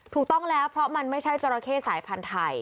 ถูกต้องแล้วเพราะมันไม่ใช่จราเข้สายพันธุ์ไทย